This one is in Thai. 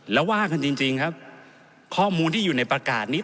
แล้วว่ากันจริงครับข้อมูลที่อยู่ในประกาศนี้